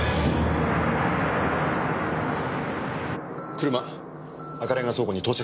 車赤レンガ倉庫に到着しました。